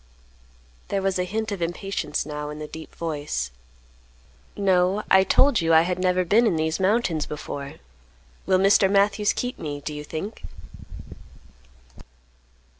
There was a hint of impatience now in the deep voice. "No, I told you that I had never been in these mountains before. Will Mr. Matthews keep me, do you think?"